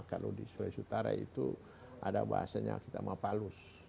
kalau di sulawesi utara itu ada bahasanya kita mapalus